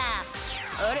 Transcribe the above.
「あれ？